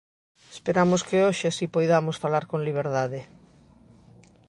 Esperamos que hoxe si poidamos falar con liberdade.